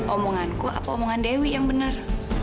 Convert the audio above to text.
omonganku apa omongan dewi yang benar